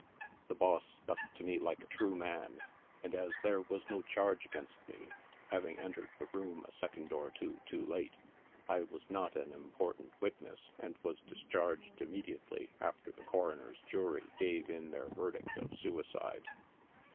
The boss stuck to me like a true man, and as there was no charge against me (having entered the room a second or two top late), I was not an important witness, and was discharged immedi ately after the coroner's jury gave in their verdict of Suicide.